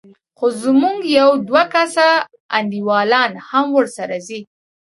خو زموږ يو دوه کسه انډيوالان هم ورسره ځي.